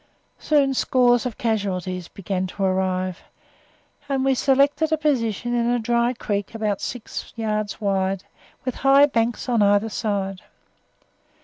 Soon scores of casualties began to arrive, and we selected a position in a dry creek about six yards wide, with high banks on either side.